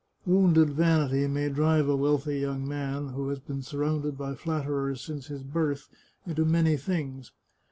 " Wounded vanity may drive a wealthy young man, who has been surrounded by flatterers since his birth, into many things.